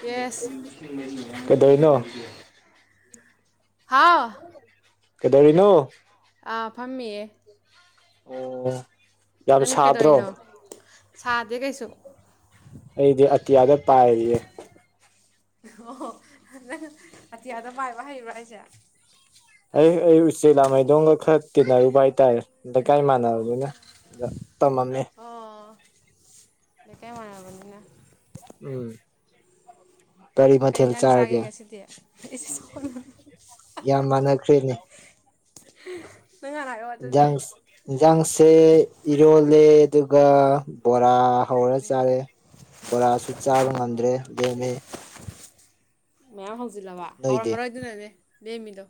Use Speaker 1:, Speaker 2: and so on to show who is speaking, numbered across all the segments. Speaker 1: yes
Speaker 2: ꯀꯩꯗꯔꯤꯅꯣ
Speaker 1: ꯍꯥꯥꯎ
Speaker 2: ꯀꯦꯗꯧꯔꯤꯅꯣ
Speaker 1: ꯑꯥ ꯐꯝꯃꯤꯌꯦ
Speaker 2: ꯑꯣ ꯌꯥꯝ
Speaker 1: ꯅꯪꯗꯤ
Speaker 2: ꯁꯥꯗ꯭ꯔꯣ
Speaker 1: ꯀꯩꯗꯧꯔꯤꯅꯣ ꯁꯥꯗꯦ ꯀꯩꯁꯨ
Speaker 2: ꯑꯩꯗꯤ ꯑꯇꯤꯌꯥꯗ ꯄꯥꯏꯔꯤꯌꯦ
Speaker 1: ꯑꯣ ꯅꯡ ꯑꯇꯤꯌꯥꯗ ꯄꯥꯏꯕ ꯍꯩꯕ꯭ꯔꯥ ꯑꯩꯁꯦ
Speaker 2: ꯑꯩ ꯑꯩ ꯎꯆꯦꯛ ꯂꯥꯃꯩꯗꯣꯡꯒ ꯈꯔ ꯇꯤꯟꯅꯔꯨꯕ ꯍꯥꯏꯇꯥꯔꯦ ꯑ ꯀꯥꯏ ꯃꯥꯟꯅꯔꯅꯤꯅ ꯇ ꯃꯅꯦ
Speaker 1: ꯑꯣ ꯅ ꯀꯩ ꯃꯅꯔ ꯐꯗꯅ
Speaker 2: ꯎꯝ ꯀꯔꯤ ꯃꯊꯦꯜ ꯆꯥꯔꯒꯦ
Speaker 1: ꯁꯤꯗ ꯁ
Speaker 2: ꯌꯥꯝ ꯃꯅꯈ꯭ꯔꯦꯅꯦ
Speaker 1: ꯅꯪ ꯍꯥꯟꯅ ꯍꯥꯏꯔꯛꯑꯣ ꯑꯗꯨꯗꯤ
Speaker 2: ꯏꯟꯖꯥꯡ ꯏꯟꯁꯥꯡꯁꯦ ꯏꯔꯣꯜꯂꯦ ꯑꯗꯨꯒ ꯕꯣꯔꯥ ꯍꯧꯔ ꯆꯥꯔꯦ ꯕꯣꯔꯥꯁꯨ ꯆꯥꯕ ꯉꯝꯗ꯭ꯔꯦ ꯂꯦꯝꯃꯦ
Speaker 1: ꯃꯌꯥꯝ ꯍꯧꯖꯤꯜꯂꯕ
Speaker 2: ꯅꯣꯏꯗꯤ
Speaker 1: ꯍꯧꯔꯝꯃꯔꯣꯏꯗꯅꯅꯦ ꯂꯦꯝꯃꯤꯗꯣ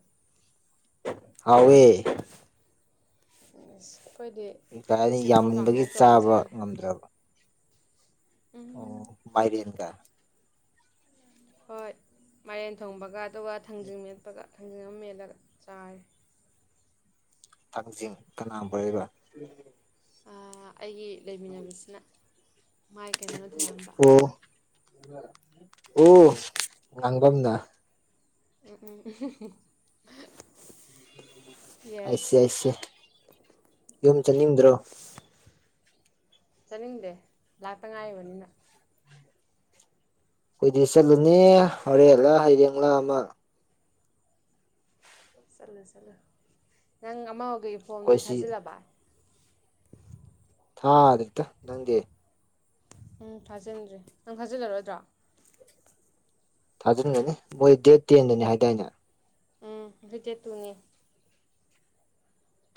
Speaker 2: ꯐꯋꯦ
Speaker 1: ꯑꯩꯈꯣꯏꯗꯤ
Speaker 2: ꯀꯅꯤ
Speaker 1: ꯁꯦꯕꯣꯠ
Speaker 2: ꯌꯥꯝꯃꯟꯕꯒꯤ
Speaker 1: ꯀꯥꯡꯍꯧ ꯇꯧꯔ
Speaker 2: ꯆꯥꯕ
Speaker 1: ꯆꯥꯔꯦ
Speaker 2: ꯉꯝꯗ꯭ꯔꯕ
Speaker 1: ꯑ
Speaker 2: ꯃꯥꯏꯔꯤꯟ ꯀ
Speaker 1: ꯍꯣꯏ ꯃꯔꯦꯟ ꯊꯣꯡꯕꯒ ꯑꯗꯨꯒ ꯊꯥꯡꯖꯤꯡ ꯃꯦꯠꯄꯒ ꯊꯥꯡꯖꯤꯡ ꯑꯃ ꯃꯦꯠꯂꯒ ꯆꯥꯔꯦ
Speaker 2: ꯊꯥꯡꯖꯤꯡ ꯀꯅꯥꯕ ꯂꯩꯕ
Speaker 1: ꯑꯩꯒꯤ ꯂꯩꯃꯤꯟꯅꯕꯁꯤꯅ ꯃꯥꯏ ꯀꯩꯅꯣꯅ ꯊꯤꯜꯍꯟꯥꯟꯕ
Speaker 2: ꯑꯣ ꯑꯣ ꯉꯥꯡꯐꯝꯝꯅ
Speaker 1: ꯎꯝ ꯎꯝ
Speaker 2: ꯑꯩꯁ
Speaker 1: ꯌꯦꯁ
Speaker 2: ꯑꯩꯁ ꯌꯨꯝ ꯆꯅꯤꯡꯗ꯭ꯔꯣ
Speaker 1: ꯆꯠꯅꯤꯡꯗꯦ ꯂꯥꯛꯇ ꯉꯥꯏꯔꯕꯅꯤꯅ
Speaker 2: ꯀꯨꯏꯗꯤ ꯆꯠꯂꯨꯅꯦ ꯍꯣꯔꯦꯟꯂꯥ ꯍꯔꯡꯂꯡꯂꯥ ꯑꯃ
Speaker 1: ꯆꯠꯂꯨ ꯆꯠꯂꯨ ꯅꯪ ꯑꯃꯒ ꯐꯣꯟꯗꯨ
Speaker 2: ꯑꯩꯈꯣꯏꯁꯤ
Speaker 1: ꯊꯥꯖꯤꯜꯂꯕ
Speaker 2: ꯊꯥ ꯑꯔꯤꯠꯇ ꯅꯪꯦ
Speaker 1: ꯎꯝ ꯊꯥꯖꯤꯟꯗ꯭ꯔꯦ ꯅꯪ ꯊꯥꯖꯤꯜꯂꯔꯣꯏꯗ꯭ꯔꯣ
Speaker 2: ꯊꯥꯖꯤꯟꯗꯨꯅꯤ ꯃꯣꯏ ꯗꯦꯠ ꯇꯦꯟꯗꯅꯤ ꯍꯥꯏꯗꯥꯏꯅꯦ
Speaker 1: ꯎꯝ ꯍꯖꯦ ꯇꯨꯅꯤ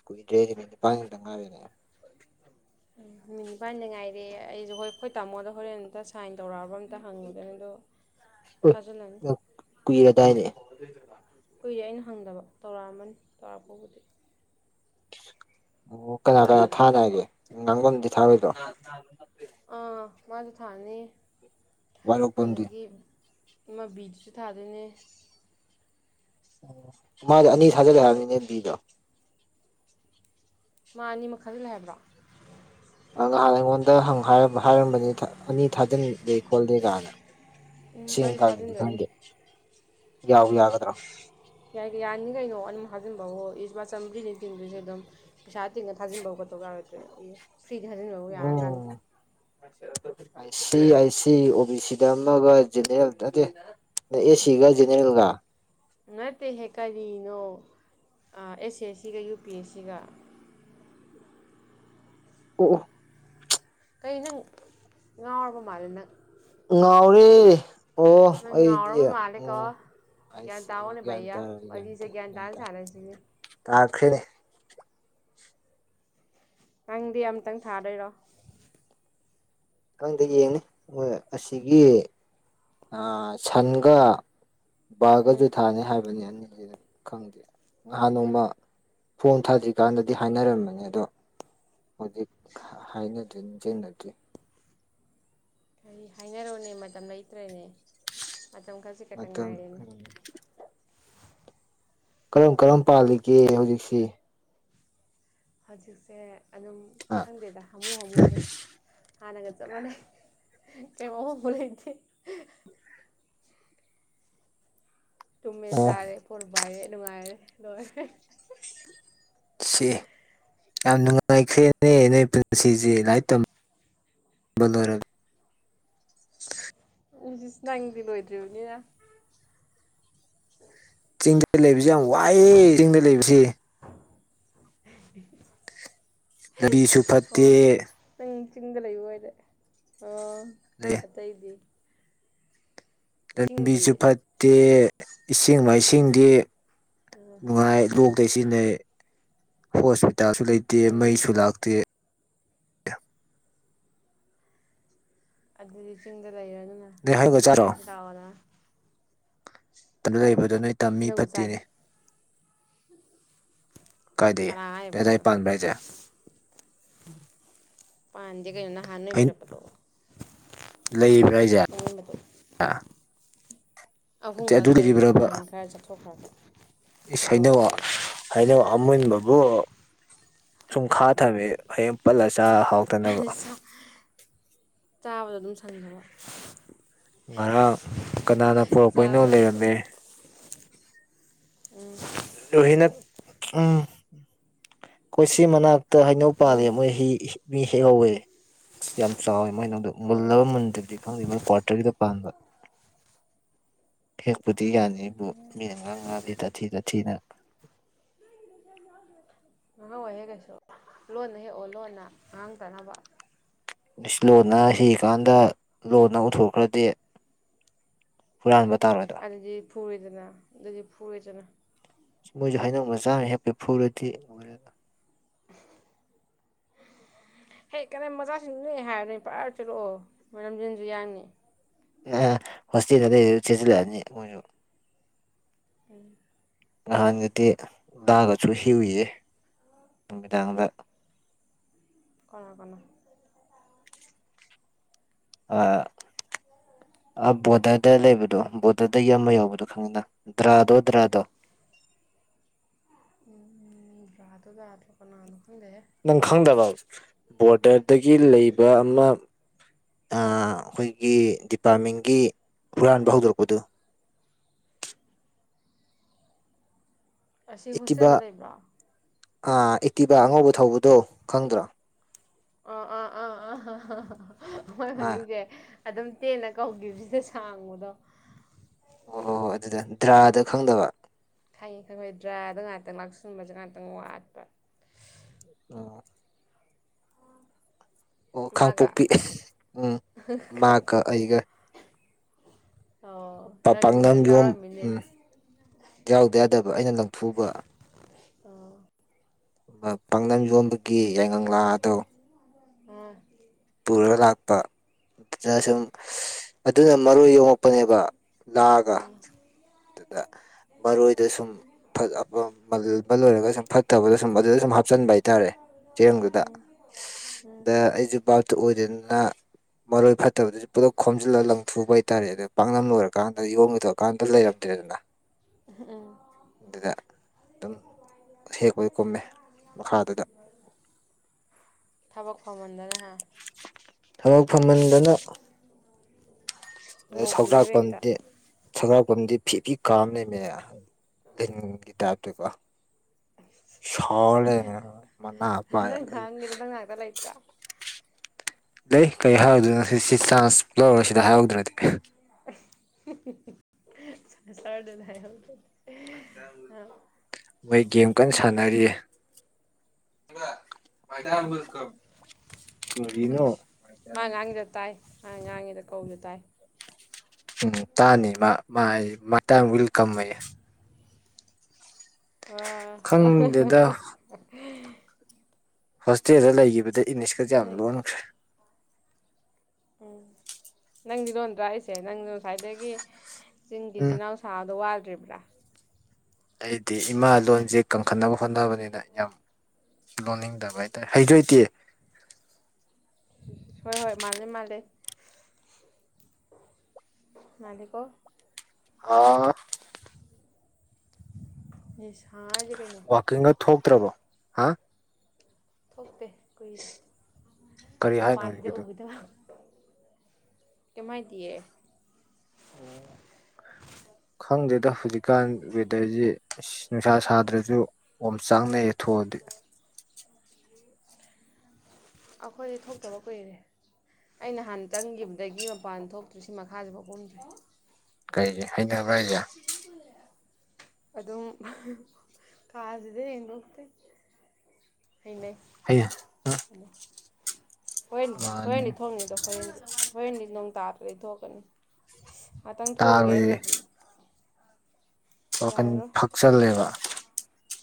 Speaker 2: ꯀꯨꯏꯗ꯭ꯔꯦ ꯅꯨꯃꯤꯠ ꯅꯤꯄꯥꯟ ꯅꯨꯃꯤꯠꯇꯪ ꯉꯥꯏꯕꯅꯦ
Speaker 1: ꯅꯨꯃꯤꯠ ꯅꯤꯄꯥꯟꯗ ꯉꯥꯏꯔꯦ ꯑꯩꯁꯨ ꯍꯣꯏ ꯍꯈꯣꯏ ꯇꯥꯃꯣꯗ ꯍꯣꯔꯦꯟ ꯇꯁꯦ ꯁꯥꯏꯟ ꯇꯧꯔꯛꯑꯕ ꯑꯝꯇ ꯍꯪꯉꯨꯗꯣꯏꯅꯤ ꯑꯗꯣ ꯊꯥꯖꯤꯜꯂꯅꯤ
Speaker 2: ꯀꯨꯏꯔꯗꯥꯏꯅꯦ ꯑꯗꯨ ꯆ
Speaker 1: ꯀꯨꯏ ꯑꯩꯅ ꯍꯪꯗꯕ ꯇꯧꯔꯛꯑꯝꯃꯅꯤ ꯇꯧꯔꯛꯄꯕꯨꯗꯤ
Speaker 2: ꯑꯣ ꯀꯅꯥ ꯀꯅꯥ ꯊꯥꯅꯒꯦ ꯉꯥꯡꯐꯝꯝꯗꯤ ꯊꯥꯔꯣꯏꯗꯣ
Speaker 1: ꯑꯥ ꯃꯥꯁꯨ ꯊꯥꯅꯤ
Speaker 2: ꯋꯥꯏꯔꯣꯛꯄꯝꯗꯤ
Speaker 1: ꯑꯗꯨꯗꯒꯤ ꯏ ꯕꯤꯗꯨꯁꯨ ꯊꯥꯗꯣꯏꯅꯦ
Speaker 2: ꯎ ꯃꯥꯗꯤ ꯑꯅꯤ ꯊꯥꯖꯤꯂꯦ ꯍꯥꯏꯕꯅꯤꯅꯦꯕꯤꯗꯣ
Speaker 1: ꯃꯥ ꯑꯅꯤ ꯃꯈꯥꯗꯤ ꯂꯩ ꯍꯥꯏꯕ꯭ꯔꯣ
Speaker 2: ꯉꯍꯥꯟ ꯑꯩꯉꯣꯟꯗꯪ ꯍꯥꯏꯔꯝꯕꯅꯤ ꯑꯅꯤ ꯊꯥꯖꯤꯟꯗꯦ ꯈꯣꯠꯂꯦ ꯀꯥꯏꯅ
Speaker 1: ꯎꯝ
Speaker 2: ꯁꯤꯡ
Speaker 1: ꯑꯩꯁꯨ
Speaker 2: ꯀꯥꯒꯤꯗꯤ
Speaker 1: ꯊꯥꯖꯤꯟꯗꯣꯏꯅꯤ
Speaker 2: ꯈꯪꯗꯦ ꯌꯥꯎ ꯌꯥꯒꯗ꯭ꯔꯥ
Speaker 1: ꯌꯥꯏ ꯌꯥꯅꯤ ꯀꯩꯅꯣ ꯑꯗꯨꯝ ꯍꯥꯖꯤꯟꯕ ꯍꯣꯏ ꯏꯁ ꯃꯥ ꯆꯝꯔꯤꯅꯤ ꯆꯤꯡꯗꯨꯁꯦ ꯑꯗꯨꯝ ꯄꯩꯁꯥ ꯇꯤꯡꯉ ꯊꯥꯖꯤꯟꯕ ꯈꯣꯠꯇꯧ ꯌꯥꯔꯣꯏꯗ꯭ꯔꯦ ꯐ꯭ꯔꯤꯗ ꯊꯥꯖꯤꯟꯕꯕꯨ ꯌꯥꯔ ꯀꯥꯟꯗ
Speaker 2: ꯑ ꯁꯤ ꯑꯥꯏ ꯁꯤ ꯑꯣ ꯕꯤ ꯁꯤꯗ ꯑꯃꯒ ꯖꯦꯅꯦꯔꯦꯜ ꯅꯠꯇꯦ ꯑꯦ ꯁꯤꯒ ꯖꯅꯔꯦꯜꯒ
Speaker 1: ꯅꯠꯇꯦꯍꯦ ꯀꯔꯤꯅꯣ ꯑꯦꯁ ꯑꯦ ꯑꯦꯁ ꯁꯤꯒ ꯌꯨ ꯄꯤ ꯑꯦꯁ ꯁꯤꯒ
Speaker 2: ꯑꯣ
Speaker 1: ꯀ ꯅꯪ ꯉꯥꯎꯔꯕ ꯃꯥꯜꯂꯦ ꯅꯪ
Speaker 2: ꯉꯥꯎꯔꯤ ꯑꯣ ꯑꯩꯗꯤ ꯎ
Speaker 1: ꯭ꯌꯥꯟ ꯇꯥꯎꯅꯦ ꯩꯌꯥ ꯄꯤꯁꯦ ꯭ꯌꯥꯟ ꯇꯥꯅꯤꯁꯥꯅ ꯆꯦ
Speaker 2: ꯇꯥꯛꯈꯔꯦ
Speaker 1: ꯅꯪꯗꯤ ꯑꯃꯝꯇꯪ ꯊꯥꯗꯣꯏꯔꯣ
Speaker 2: ꯈꯤꯪꯗ ꯌꯦꯡꯅꯤ ꯍꯣꯏ ꯑꯁꯤꯒꯤ ꯁꯟꯒ
Speaker 1: ꯎꯝ
Speaker 2: ꯕꯥꯒꯁꯨ ꯊꯥꯅꯤ ꯍꯥꯏꯕꯅꯤ ꯑꯅꯤꯁꯤꯗ ꯈꯪꯗꯦ ꯅꯍꯥꯟ ꯅꯣꯡꯃ ꯐꯣꯟ ꯊꯥꯗ꯭ꯔꯤꯀꯥꯟꯗꯗꯤ ꯍꯥꯏꯅꯔꯝꯕꯅꯤ ꯑꯗꯣ ꯍꯧꯖꯤꯛ ꯍꯥꯏꯅꯗ꯭ꯔꯤ ꯅꯤꯡ ꯆꯦꯡꯅꯗ꯭ꯔꯤ
Speaker 1: ꯑꯩ ꯍꯥꯏꯅꯔꯣꯅꯦ ꯃꯇꯝ ꯂꯩꯇ꯭ꯔꯦꯅꯦ ꯃꯇꯝ ꯈꯔꯁꯤꯦ ꯈꯛꯇ
Speaker 2: ꯃꯇꯝ
Speaker 1: ꯉꯥꯏꯔꯦꯅꯦ
Speaker 2: ꯀꯔꯝ ꯀꯔꯝ ꯄꯥꯜꯂꯤꯒꯦ ꯍꯧꯖꯤꯛꯁꯤ
Speaker 1: ꯍꯧꯖꯤꯛꯁꯦ ꯑꯗꯨꯝ
Speaker 2: ꯑ
Speaker 1: ꯈꯪꯗꯦꯗ ꯍꯥꯃꯨ ꯍꯥꯃꯨꯗ ꯍꯥꯟꯅꯒ ꯆꯞ ꯃꯥꯟꯅꯩ ꯀꯃꯣ ꯃ ꯂꯩꯦ ꯇꯨꯝꯃꯦ
Speaker 2: ꯑꯣ
Speaker 1: ꯆꯥꯔꯦ ꯐꯣꯟ ꯄꯥꯏꯔꯦ ꯅꯨꯡꯉꯥꯏꯔꯦ ꯂꯣꯏꯔꯦ
Speaker 2: ꯁꯤꯑꯦ ꯌꯥꯝ ꯅꯨꯡꯉꯥꯏꯈ꯭ꯔꯦꯅꯦ ꯅꯣꯏ ꯄꯨꯟꯁꯤꯁꯦ ꯂꯥꯏꯔꯤꯛ ꯇꯝ ꯕꯂꯣꯏꯔ
Speaker 1: ꯎꯁꯤꯁ ꯅꯪꯗꯤ ꯂꯣꯏꯗ꯭ꯔꯤꯕꯅꯤꯅ
Speaker 2: ꯆꯤꯡꯗ ꯂꯩꯕꯁꯤ ꯌꯥꯝ ꯋꯥꯏꯑ ꯆꯤꯡꯗ ꯂꯩꯕꯁꯤ
Speaker 1: [unintelligible]
Speaker 2: ꯂꯕꯤꯁꯨ
Speaker 1: ꯑꯣ
Speaker 2: ꯐꯠꯇꯦ
Speaker 1: ꯅꯪ ꯆꯤꯡꯗ ꯂꯩꯕ ꯑꯣꯏꯔꯦ ꯑꯣ
Speaker 2: ꯂꯩ
Speaker 1: ꯑꯠꯇꯩꯗꯤ
Speaker 2: ꯂꯝꯕꯤꯁꯨ ꯐꯠꯇꯦ ꯏꯁꯤꯡ ꯃꯥꯏꯁꯤꯡꯗꯤ ꯅꯨꯡꯉꯥꯏ ꯂꯣꯛ ꯀꯩꯁꯤꯟꯅꯩ ꯍꯣꯁꯄꯤꯇꯥꯜꯁꯨ ꯂꯩꯇꯦ
Speaker 1: ꯎꯝ
Speaker 2: ꯃꯩꯁꯨ ꯂꯥꯛꯇꯦ
Speaker 1: ꯑꯗꯨꯗꯤ ꯆꯤꯡꯗ ꯂꯩꯔꯅꯨꯅ
Speaker 2: ꯅꯣꯏ ꯍꯩꯅꯧꯒ
Speaker 1: ꯇꯝꯗ
Speaker 2: ꯆꯥꯔꯣ
Speaker 1: ꯂꯩꯔꯁꯤ ꯂꯥꯛꯑꯣꯅ
Speaker 2: ꯇꯅꯨꯂꯩꯕꯗꯨ ꯅꯣꯏ ꯇꯝꯃꯤ
Speaker 1: ꯍꯩꯅꯧꯖꯨ ꯆꯥꯏ
Speaker 2: ꯐꯠꯇꯦꯅꯦ ꯀꯥꯏꯗꯩ
Speaker 1: ꯀꯅꯥ
Speaker 2: ꯅꯣꯏꯑꯗ꯭ꯋꯥꯏ
Speaker 1: ꯍꯥꯏꯕꯗꯅꯣ
Speaker 2: ꯄꯥꯟꯕ꯭ꯔ ꯍꯥꯏꯖꯦ
Speaker 1: ꯄꯥꯟꯗꯦ ꯀꯩꯅꯣ ꯅꯍꯥꯟ ꯅꯣꯏ ꯄꯤꯔꯛꯄꯗꯣ
Speaker 2: ꯂꯩꯕ꯭ꯔꯥ ꯍꯥꯏꯖꯦ
Speaker 1: ꯑꯃꯨꯟꯕꯗꯣ ꯑꯍꯨꯝ ꯈꯛ ꯂꯩꯔꯤ
Speaker 2: ꯂꯩꯔꯤꯕ꯭ꯔꯕ
Speaker 1: ꯅꯍꯥꯟ ꯈꯔ ꯆꯠꯊꯣꯛꯈ꯭ꯔꯕ
Speaker 2: ꯏꯁ ꯍꯩꯅꯧ ꯍꯩꯅꯧ ꯑꯃꯨꯟꯕꯕꯨ ꯁꯨꯝ ꯈꯥꯊꯕꯤ ꯍꯌꯦꯡ ꯄꯜꯂ ꯆꯥ ꯍꯥꯎ
Speaker 1: [unintelligible] ꯆꯥꯕꯗꯣ ꯑꯗꯨꯝ ꯁꯪꯗꯕ
Speaker 2: ꯉꯔꯥꯡ ꯀꯅꯥꯅ ꯄꯨꯔꯛꯄꯩꯅꯣ
Speaker 1: ꯆꯥꯕꯗ
Speaker 2: ꯂꯩꯔꯝꯃꯦ
Speaker 1: ꯎꯝ
Speaker 2: ꯂꯣꯍꯤꯅ ꯎꯝ ꯈꯣꯏꯁꯤ ꯃꯅꯥꯛꯇ ꯍꯩꯅꯧ ꯄꯥꯂꯦ
Speaker 1: ꯎꯝ
Speaker 2: ꯃꯣꯏ ꯍꯤ ꯍꯤ ꯃꯤ ꯍꯦꯛꯍꯧꯋꯦ ꯑꯁ ꯌꯥꯝ ꯆꯥꯎꯋꯦ ꯃꯣꯏꯅꯧꯗ
Speaker 1: ꯑꯣ
Speaker 2: ꯃꯨꯜꯂꯕ ꯃꯨꯟꯗꯕꯗꯤ ꯈꯪꯗꯦꯕꯣꯏ ꯀ꯭ꯋꯥꯇꯔꯒꯤꯗ ꯄꯥꯟꯕ ꯍꯦꯛꯄꯨꯗꯤ ꯌꯥꯅꯤꯕꯨ ꯃꯤꯅꯉꯥꯡ ꯉꯥꯜꯂꯤ ꯇꯥꯊꯤ ꯇꯥ ꯊꯤꯅ
Speaker 1: [unintelligible] ꯍꯣꯏꯍꯦꯛ ꯀꯩꯁꯨ ꯂꯣꯟꯅ ꯍꯦꯛꯑꯣ ꯂꯣꯟꯅ ꯉꯥꯡ ꯇꯅꯕ
Speaker 2: ꯪꯏꯁ ꯂꯣꯟꯅ ꯍꯦꯢꯀꯥꯟꯗ ꯂꯣꯟꯅ ꯎꯊꯣꯛꯈ꯭ꯔꯗꯤ ꯍꯨꯔꯥꯟꯕ ꯇꯥꯔꯣꯏꯗ꯭ꯔꯣ
Speaker 1: ꯑꯗꯨꯗꯤ ꯐꯨꯔꯦꯗꯅ ꯑꯗꯨꯗꯤ ꯐꯨꯔꯦꯗꯅ
Speaker 2: ꯃꯣꯏꯖꯨ ꯍꯩꯅꯧ ꯃꯆꯥꯃ ꯍꯦꯛꯄꯦ ꯐꯨꯔꯗꯤ
Speaker 1: ꯍꯦꯛ ꯀꯅꯥ ꯃꯆꯥꯁꯤꯡꯅꯨꯅꯦ ꯍꯥꯏꯔ ꯄ꯭ꯔꯥ ꯆꯠꯂꯛꯑꯣ ꯃꯅꯝꯖꯦꯟꯁꯨ ꯌꯥꯡꯅꯤ
Speaker 2: ꯑ ꯍꯣꯁꯇꯦꯜꯗ ꯂꯩꯔꯥ ꯆꯦꯖꯜꯂꯅꯤ
Speaker 1: ꯍꯩ
Speaker 2: ꯉꯥꯍꯥꯟꯒꯗꯤꯗꯥꯒꯁꯨ ꯍꯦꯎꯏꯌꯦ ꯅꯨꯃꯤꯗꯥꯡꯗ
Speaker 1: ꯀꯔꯒꯅꯣ
Speaker 2: ꯑꯥ ꯑ ꯕꯣꯗꯗ ꯂꯩꯕꯗꯣ ꯕꯣꯗꯗ ꯌꯥꯝꯃ ꯌꯥꯎꯕꯗꯣ ꯈꯪꯉꯤꯅ ꯗ꯭ꯔꯥꯗꯣ ꯗ꯭ꯔꯥꯗꯣ
Speaker 1: ꯎꯝ ꯔꯗꯣ ꯔꯗꯣ ꯀꯅꯥꯅꯣ ꯈꯗꯦꯍꯦ
Speaker 2: ꯅꯪ ꯈꯪꯗꯕ ꯕꯣꯔꯗꯔꯗꯒꯤ ꯂꯩꯕ ꯑꯃ ꯑꯥ ꯈꯣꯏꯒꯤ ꯗꯤꯄꯥꯔꯠꯃꯦꯟꯒꯤ ꯍꯨꯔꯥꯟꯕ ꯍꯧꯗꯣꯔꯛꯄꯗꯨ
Speaker 1: ꯑꯁꯤ ꯍꯣꯁꯦꯜ ꯗ ꯂꯩꯕ꯭ꯔ
Speaker 2: ꯥꯑꯥ ꯏꯇꯤꯕ ꯑꯉꯧꯕ ꯊꯧꯕꯗꯣ ꯈꯪꯗ꯭ꯔꯣ
Speaker 1: [unintelligible] ꯃꯥ
Speaker 2: ꯑꯥ
Speaker 1: ꯃꯃꯤꯡꯖꯦ ꯑꯗꯨꯝ ꯇꯦꯟꯅ ꯀꯧꯒꯤꯕꯖꯤꯗ ꯁꯥꯡꯕꯗꯣ
Speaker 2: ꯑꯣ ꯍꯣꯏ ꯍꯣ ꯑꯗꯨꯗ ꯗ꯭ꯔꯥꯗ ꯈꯪꯗꯕ
Speaker 1: ꯈꯪꯏ ꯈꯪꯍꯣꯏꯗ꯭ꯔꯥ ꯗꯨꯒ ꯉꯥꯛꯇꯪ ꯂꯥꯛꯁꯤꯟꯕꯖꯦ ꯉꯥꯏꯛꯇꯪ ꯋꯥꯠꯄ
Speaker 2: ꯑ ꯑꯣ
Speaker 1: ꯃꯥꯒ
Speaker 2: ꯀꯥꯡꯄꯣꯛꯄꯤ ꯎꯝ ꯃꯥꯀ
Speaker 1: ꯀꯥꯡꯄꯣꯛ
Speaker 2: ꯑꯩꯒ
Speaker 1: ꯑꯣ ꯅꯪꯗꯤ
Speaker 2: ꯄꯥꯛꯅꯝ
Speaker 1: ꯑꯗꯨꯝ
Speaker 2: ꯌꯣꯝ
Speaker 1: ꯌꯥꯎꯔꯛꯑꯝꯃꯤꯅꯦ
Speaker 2: ꯎꯝ ꯌꯥꯎꯗ ꯌꯥꯗꯕ ꯑꯩꯅ ꯂꯪꯊꯨꯕ
Speaker 1: ꯑ
Speaker 2: ꯄꯥꯡꯅꯝ ꯌꯣꯟꯕꯒꯤ ꯌꯥꯏꯉꯪꯂꯥ ꯑꯗꯣ
Speaker 1: ꯎꯝ
Speaker 2: ꯄꯨꯔꯒ ꯂꯥꯛꯄ ꯑꯗꯨꯗ ꯁꯨꯝ
Speaker 1: ꯑꯥ
Speaker 2: ꯑꯗꯨꯅ ꯃꯔꯣꯏ ꯌꯦꯣꯡꯉꯛ ꯀꯞꯄꯅꯦꯕ ꯂꯥꯛꯑꯒ
Speaker 1: ꯑꯥ
Speaker 2: ꯑꯗꯨꯗ ꯃꯔꯣꯏꯗ ꯁꯨꯝ ꯐꯖ ꯃꯜꯕꯜ ꯂꯣꯏꯔꯒ ꯁꯨꯝ ꯐꯠꯇꯕꯗꯣ ꯁꯨꯝ ꯑꯗꯨꯗ ꯁꯨꯝ ꯍꯥ ꯍꯥꯨꯞꯞꯆꯟꯕ ꯍꯥꯏꯇꯥꯔꯦ ꯆꯦꯡꯗꯨꯗ
Speaker 1: ꯎꯝ
Speaker 2: ꯑꯗ ꯑꯩꯁꯨ ꯕꯥꯇ ꯑꯣꯏꯗꯅꯤꯅ ꯃꯔꯣꯏ ꯐꯠꯇꯕꯅꯤ ꯄꯨꯂꯞ ꯈꯣꯝꯖꯤꯜꯂꯒ ꯂꯪꯊꯨꯕ ꯍꯥꯏꯇꯥꯔꯦ ꯑꯗꯣ ꯄꯥꯛꯅꯝ ꯂꯣꯏꯔꯀꯥꯟꯗ ꯌꯝꯒꯗꯣꯛꯑꯀꯥꯟꯗ ꯂꯩꯔꯝꯗ꯭ꯔꯦꯗꯅ ꯑꯗꯨꯗ ꯑꯗꯨꯝ ꯍꯦꯛꯄꯒꯤ ꯀꯨꯝꯃꯦ ꯃꯈꯥꯗꯨꯗ
Speaker 1: ꯊꯕꯛ ꯐꯃꯟꯗꯅꯍ
Speaker 2: ꯊꯕꯛ ꯐꯝꯍꯟꯗꯅ ꯑ
Speaker 1: ꯍꯨꯟꯗꯣꯛꯄꯤꯅꯦꯕ ꯍꯦꯛꯇ
Speaker 2: ꯁꯧꯖꯥꯛꯄꯗꯤ ꯁꯒꯥꯛꯐꯝꯗꯤ ꯐꯤ ꯐꯤ ꯀꯥꯝ ꯂꯩꯃꯦ ꯂꯤꯟꯒꯤ ꯇꯥꯏꯞꯇꯀꯣ ꯁꯂꯦ ꯃꯅ ꯄꯥꯏ
Speaker 1: ꯗꯂꯥꯏ꯭ꯔꯥ
Speaker 2: ꯂꯩ ꯀꯔꯤ ꯍꯥꯏꯔꯧꯗꯣꯏꯅꯣ ꯁꯤ ꯁꯤ ꯆꯥꯟꯁ ꯂꯧꯔꯒ ꯁꯤꯗ ꯍꯥꯏꯔꯧꯗ꯭ꯔꯅ ꯑꯗꯨ
Speaker 1: ꯁꯁꯔꯗꯅꯥꯏ ꯍꯧ
Speaker 2: ꯃꯣꯏ ꯒꯦꯝ ꯀꯟꯅ ꯁꯥꯟꯅꯔꯤꯑ ꯣ
Speaker 1: ꯂꯩꯇꯥꯦ ꯑꯪ ꯉꯥꯡꯉꯤꯗ ꯀꯧꯁꯨ ꯇꯥꯏ
Speaker 2: ꯎꯝ ꯇꯥꯅꯤ ꯋꯤꯜ ꯀꯝꯌꯦ ꯈꯪꯗꯦꯗ
Speaker 1: ꯑ
Speaker 2: ꯍꯣꯁꯇꯦꯜꯗ ꯂꯩꯈꯤꯕꯗ ꯏꯪꯂꯤꯁꯀꯁ ꯌꯥꯝ
Speaker 1: ꯅꯣꯏ
Speaker 2: ꯂꯣꯟꯈ꯭ꯔꯦ
Speaker 1: ꯎꯝ ꯅꯪꯗꯤ ꯂꯣꯟꯗ꯭ꯔꯥꯛꯏꯁꯦ ꯅꯪ ꯉꯁꯥꯏꯗꯒꯤ ꯆꯤꯡꯒꯤꯆꯜ
Speaker 2: ꯎꯝ
Speaker 1: ꯏꯅꯥꯎ ꯁꯥꯥꯗꯣ ꯋꯥꯗ꯭ꯔꯤꯕ꯭ꯔꯥ
Speaker 2: ꯑꯩꯗꯤ ꯏꯃꯥ ꯂꯣꯟꯁꯦ ꯀꯪꯈꯠꯅꯕ ꯍꯣꯠꯅꯕꯅꯤꯅ ꯌꯥꯝ ꯂꯣꯟꯅꯤꯡꯗꯕ ꯍꯥꯏꯇꯥꯔꯦ ꯍꯩꯗꯣꯏꯇꯦ
Speaker 1: ꯍꯣꯏ ꯍꯣꯏ ꯃꯥꯂꯦ ꯃꯥꯂꯦ ꯃꯥꯂꯀꯣ
Speaker 2: ꯑ
Speaker 1: ꯁꯥꯖ ꯂꯩꯩꯅꯣ
Speaker 2: ꯋꯥꯋꯥꯛꯀꯤꯡꯒ ꯊꯣꯛꯇ꯭ꯔꯕꯣ ꯍꯥ
Speaker 1: ꯊꯣꯛꯇꯦ ꯀꯨꯏꯔꯦ
Speaker 2: ꯀꯔꯤ ꯍꯥꯏꯅꯣ
Speaker 1: ꯃꯄꯥꯟꯗ
Speaker 2: ꯍꯧꯖꯤꯛꯀꯤꯗꯣ
Speaker 1: ꯎꯈꯤꯗꯕ ꯀꯃꯥꯏꯇꯑꯌꯦ
Speaker 2: ꯎꯝ ꯈꯪꯗꯦꯗ ꯍꯧꯖꯤꯛꯀꯥꯟ ꯋꯦꯗꯔꯁꯦ ꯅꯨꯡꯁꯥ ꯁꯥꯗ꯭ꯔꯁꯨ ꯑꯣꯝ ꯆꯥꯡꯅꯩꯌꯦ ꯊꯣꯛꯑꯗꯤ
Speaker 1: ꯑꯩꯈꯣꯏꯗꯤ ꯊꯣꯛꯇꯕ ꯀꯨꯏꯔꯦ ꯑꯩꯅ ꯍꯍꯥꯟꯅ ꯆꯪꯈꯤꯕꯗꯒꯤ ꯃꯄꯥꯟ ꯊꯣꯛꯇ꯭ꯔꯤ ꯁꯤ ꯃꯈꯥꯁꯤꯦ ꯐꯥꯎꯍꯨꯝꯗ꯭ꯔꯦ
Speaker 2: ꯀꯩꯒꯤ ꯍꯩꯅꯔꯕ꯭ꯔ ꯍꯥꯏꯁꯦ
Speaker 1: ꯑꯗꯨꯝ ꯀꯥꯁꯤꯗ ꯌꯦꯣꯛꯛꯇꯦ ꯊꯦꯡꯅꯩ
Speaker 2: ꯍꯥꯏ
Speaker 1: ꯍꯂ ꯍꯣꯏꯅꯤ
Speaker 2: ꯃꯥꯅꯦ
Speaker 1: ꯍꯣꯏꯅꯤ ꯊꯣꯛꯅꯤꯡꯗꯣ ꯍꯣꯏ ꯍꯣꯏꯅꯤ ꯅꯣꯡ ꯇꯥꯗꯗꯒꯤ ꯊꯣꯛꯀꯅꯤ ꯉꯥꯛꯇꯪ
Speaker 2: ꯇꯥꯕꯒꯤ
Speaker 1: ꯊꯣꯛꯑꯒꯦꯇ꯭ꯔꯗꯤ
Speaker 2: ꯋꯥꯈꯟ ꯐꯛꯆꯜꯂꯦꯕ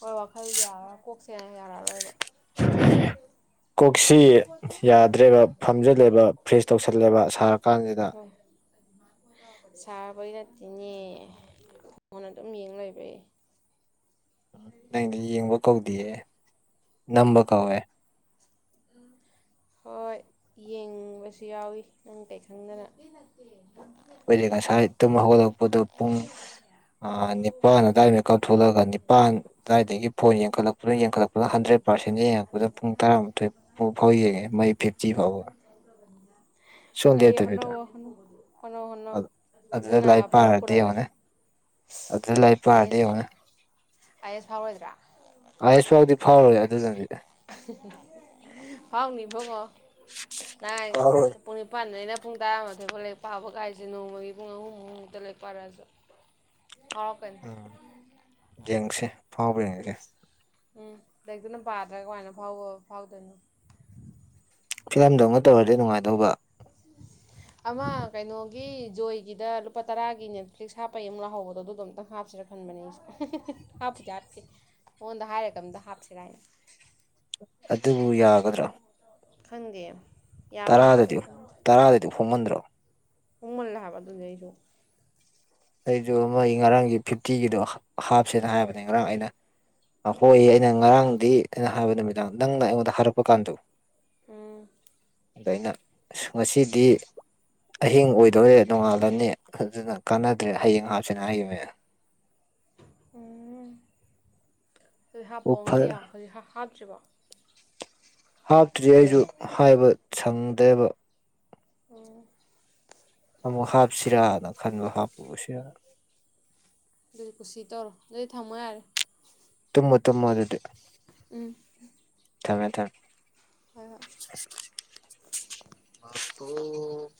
Speaker 1: ꯍꯣꯏ ꯋꯥꯈꯜꯁꯦ ꯌꯥꯔꯔꯣꯏ ꯀꯣꯛꯁꯦ ꯌꯥꯔꯔꯣꯏꯕ
Speaker 2: [unintelligible]
Speaker 1: ꯐꯔ
Speaker 2: ꯀꯣꯛꯁꯤ ꯌꯥꯗ꯭ꯔꯦꯕ ꯐꯝꯖꯤꯜꯂꯦꯕ ꯐ꯭ꯔꯦꯁ ꯇꯧꯁꯜꯂꯦꯕ ꯁꯥꯔꯀꯥꯟꯁꯤꯗ
Speaker 1: ꯍ ꯍꯣꯏ ꯁꯥꯕꯒꯤ ꯅꯠꯇꯦꯅꯦ ꯑꯩꯉꯣꯟꯗ ꯑꯗꯨꯝ ꯌꯦꯡ ꯂꯩꯕ
Speaker 2: ꯅꯪꯗꯤ ꯌꯦꯡꯕ ꯀꯧꯗꯤꯌꯦ ꯅꯝꯕ ꯀꯧꯋꯦ
Speaker 1: ꯎꯝ ꯍꯣꯏ ꯌꯦꯡꯕꯁꯨ ꯌꯥꯎꯋꯤ ꯅꯪ ꯀꯔꯤ ꯈꯪꯗꯅ
Speaker 2: ꯑꯩꯈꯣꯏꯔ ꯉꯁꯥꯏ ꯇꯨꯝꯕ ꯍꯧꯒꯠꯂꯛꯄꯗꯨ ꯄꯨꯡ ꯑ ꯅꯤꯄꯥꯟ ꯑꯗꯨꯗꯥꯋꯥꯏꯗ ꯀꯥꯊ ꯊꯣꯛꯂꯒ ꯅꯤꯄꯥꯟ ꯑꯗꯨꯋꯥꯏꯗꯒꯤ ꯐꯣꯟ ꯌꯦꯡꯈꯠꯂꯛꯄꯅ ꯌꯦꯡꯈꯠꯂꯛꯄꯅ ꯍꯟꯗ꯭ꯔꯦꯠ ꯄꯥꯔꯁꯦꯟꯗ ꯌꯦꯡꯉꯛꯄꯗ ꯄꯨꯡ ꯇꯔꯥꯃꯥꯊꯣꯏ ꯄꯨꯡ ꯐꯥꯎ ꯌꯦꯡꯉꯦ ꯃꯩ ꯐꯤ ꯁꯨꯡ
Speaker 1: ꯐꯩ ꯍꯅꯣ
Speaker 2: ꯂꯦꯞꯇꯕꯤꯗ
Speaker 1: ꯍ ꯍꯣꯅꯣ ꯍꯣꯅꯣ
Speaker 2: ꯑꯗꯨꯗ
Speaker 1: ꯑꯗꯨꯨꯅ ꯑꯐꯕ ꯄꯨꯔꯛꯀꯅꯤ
Speaker 2: ꯑꯗꯨ ꯂꯥꯏ
Speaker 1: ꯑꯥꯏ
Speaker 2: ꯄꯥꯔꯗꯤ
Speaker 1: ꯑꯦꯁ
Speaker 2: ꯌꯦꯡꯅ
Speaker 1: ꯑꯥꯏ ꯑꯦꯁ ꯐꯥꯎꯔꯣꯏꯗ꯭ꯔꯥ
Speaker 2: ꯑꯌꯨꯁꯚꯗꯤ ꯐꯥꯎꯔꯦ ꯑꯗꯨꯗꯗꯤ
Speaker 1: ꯐꯤꯎꯅꯤꯕꯨꯡꯉꯣ
Speaker 2: ꯐꯥꯎꯔꯣꯏ
Speaker 1: ꯄꯨꯡ ꯅꯤꯄꯥꯟꯗ ꯑꯩꯅ ꯄꯨꯡ ꯇꯔꯥꯃꯥꯊꯣꯏꯐꯥꯎ ꯂꯦꯛ ꯄꯥꯕ ꯒꯥꯏꯁꯦ ꯅꯣꯡꯃꯒꯤ ꯄꯨꯡ ꯑꯍꯨꯝꯃꯨꯨꯝꯃꯨꯛꯇ ꯂꯥꯏꯦꯛ ꯄꯥꯏꯔꯛꯑꯁꯨ ꯉꯥꯎꯔꯛ ꯀꯅꯤ
Speaker 2: ꯎ ꯌꯦꯡꯁꯦ ꯐꯥꯎꯕ ꯌꯦꯡꯁꯦ
Speaker 1: ꯎꯝ ꯂꯛꯇꯨꯅ ꯄꯥꯗ꯭ꯔꯥ ꯀꯃꯥꯏꯅ ꯐꯥꯎꯕ ꯐꯥꯎꯗꯣꯏꯅꯣ
Speaker 2: ꯐꯤꯂꯝꯗꯧꯅ ꯇꯧꯔꯗꯤ ꯅꯨꯡꯉꯥꯏꯗꯧꯕ
Speaker 1: ꯑꯃ ꯀꯩꯅꯣꯒꯤ ꯖꯣꯏꯒꯤꯗ ꯂꯨꯄꯥ ꯇꯔꯥꯒꯤ ꯅꯦꯠꯐ꯭ꯂꯤꯛꯁ ꯍꯥꯞꯄ ꯌꯦ ꯑꯃꯨꯛ ꯂꯥꯛꯍꯧꯕꯗꯣ ꯑꯗꯨꯣꯝꯇꯪ ꯍꯥꯞꯆꯔꯛꯀꯦ ꯈꯟꯕꯅꯦ ꯑꯩ ꯍꯥꯞꯄꯨꯗꯤ ꯍꯥꯞꯇꯦ ꯃꯉꯣꯟꯗ ꯍꯥꯏꯔꯒ ꯑ ꯑꯃꯝꯇ ꯍꯥꯞꯁꯤꯔ ꯍꯥꯏꯅ
Speaker 2: ꯑꯗꯨꯕꯨ ꯌꯥꯒꯗ꯭ꯔꯥ
Speaker 1: ꯈꯪꯗꯤꯌꯦ
Speaker 2: ꯇꯔꯥꯗꯗꯤ ꯇꯔꯥꯗꯗꯤ ꯍꯣꯡꯃꯟꯗ꯭ꯔꯣ
Speaker 1: ꯍꯣꯡꯃꯜꯂꯦ ꯍꯥꯏꯕꯗꯨꯗꯤ ꯑꯩꯁꯨ
Speaker 2: ꯑꯩꯁꯨ ꯑꯃꯒꯤ ꯑꯩ ꯉꯔꯥꯡꯒꯤ ꯐꯤꯐꯇꯤꯒꯤꯗꯣ ꯍꯥꯞꯁꯦꯅ ꯍꯥꯏꯕꯅꯦ ꯉꯔꯥꯡ ꯑꯩꯅ ꯈꯣꯏ ꯑꯩꯅ ꯉꯔꯥꯡꯗꯤ ꯑꯩꯅ ꯍꯥꯏꯕ ꯅꯨꯃꯤꯗꯥꯡ ꯅꯪꯅ ꯑꯩꯉꯣꯟꯗ ꯍꯥꯏꯔꯛꯄ ꯀꯥꯟꯗ
Speaker 1: ꯎꯝ
Speaker 2: ꯑꯗ ꯑꯩꯅ ꯉꯁꯤꯗꯤ ꯑꯍꯤꯡ ꯑꯣꯏꯗꯧꯔꯦ ꯅꯣꯡꯉꯥꯜꯂꯅꯤ ꯑꯗꯨꯅ ꯀꯥꯟꯅꯗ꯭ꯔꯦ ꯍꯌꯦꯡ ꯍꯥꯞꯁꯤꯅ ꯍꯥꯏꯈꯤꯕꯅꯦ
Speaker 1: ꯎ ꯍꯧꯖꯤꯛ
Speaker 2: ꯑꯣ
Speaker 1: ꯍꯥꯞꯄꯑꯣ ꯉꯁꯤ
Speaker 2: ꯐꯔꯦ
Speaker 1: ꯍꯧꯖꯤꯛ ꯍꯥꯞꯇ꯭ꯔꯤꯕꯣ
Speaker 2: ꯍꯥꯞꯇ꯭ꯔꯤ ꯑꯩꯁꯨ ꯍꯥꯏꯕ ꯁꯪꯗꯦꯕ
Speaker 1: ꯎꯝ
Speaker 2: ꯑꯃꯨꯛ ꯍꯥꯞꯁꯤꯔꯥꯅ ꯈꯟꯕ ꯍꯥꯞꯄꯨꯁꯤꯔ
Speaker 1: ꯑꯗꯨ ꯀꯨꯁꯤ ꯇꯧꯔꯣ ꯑꯗꯨꯗꯤ ꯊꯝꯃꯣ ꯌꯥꯔꯦ
Speaker 2: ꯇꯨꯝꯃꯣ ꯇꯨꯝꯃꯣ ꯑꯗꯨꯗꯤ
Speaker 1: ꯎꯝ
Speaker 2: ꯊꯃꯦ ꯊꯝꯃꯦ
Speaker 1: ꯍꯣꯏ ꯍꯣꯏ
Speaker 2: ꯑꯣ